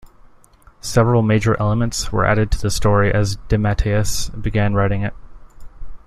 Several major elements were added to the story as DeMatteis began writing it.